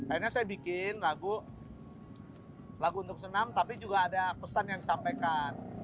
akhirnya saya bikin lagu untuk senam tapi juga ada pesan yang disampaikan